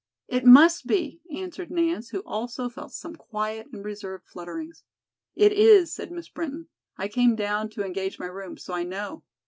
"It must be," answered Nance, who also felt some quiet and reserved flutterings. "It is," said Miss Brinton. "I came down to engage my room, so I know."